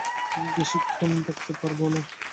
আমি বেশিক্ষণ থাকতে পারব না।